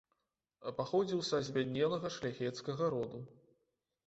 Паходзіў са збяднелага шляхецкага роду.